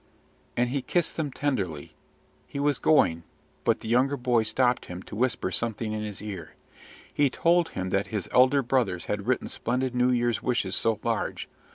And he kissed them tenderly. He was going; but the younger boy stopped him, to whisper something in his ear. He told him that his elder brothers had written splendid New Year's wishes so large!